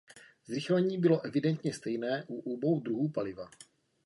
Zrychlení bylo evidentně stejné u obou druhů paliva.